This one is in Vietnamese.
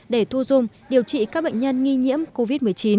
để thu dung điều trị các bệnh nhân nghi nhiễm covid một mươi chín